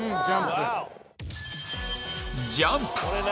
ジャンプ。